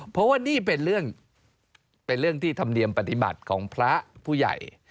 เพราะว่านี่เป็นเรื่องเป็นเรื่องที่ธรรมเนียมปฏิบัติของพระผู้ใหญ่